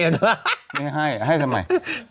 ไม่ให้ให้ทำไม